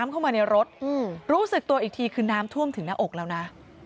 เข้ามาในรถรู้สึกตัวอีกทีคือน้ำท่วมถึงหน้าอกแล้วนะ